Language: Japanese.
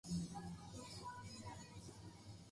ナッパ避けろー！ギャリック砲ー！